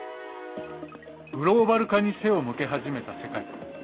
グローバル化に背を向け始めた世界。